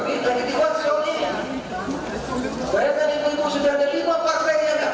tapi yang tidak dapat